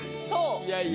いやいや。